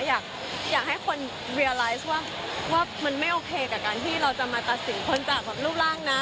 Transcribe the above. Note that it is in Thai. อยากให้คนเวียไลฟ์ว่ามันไม่โอเคกับการที่เราจะมาตัดสินคนจากรูปร่างนะ